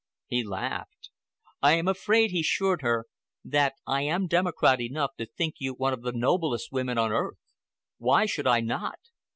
He laughed. "I am afraid," he assured her, "that I am democrat enough to think you one of the noblest women on earth. Why should I not?